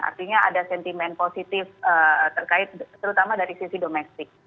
artinya ada sentimen positif terkait terutama dari sisi domestik